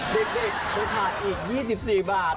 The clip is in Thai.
เด็กจะขาดอีก๒๔บาท